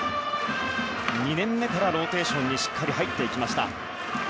２年目からローテーションにしっかり入っていきました。